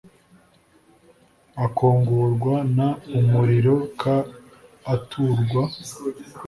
akongorwa n umuriro k aturwa